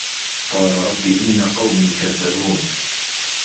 قالَ رَبِّ إِنَّ قَومي كَذَّبونِ